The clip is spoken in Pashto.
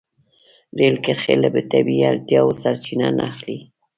رېل کرښې له طبیعي اړتیاوو سرچینه نه اخلي.